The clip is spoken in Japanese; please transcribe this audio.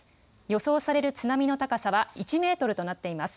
予想される津波の高さは１メートルとなっています。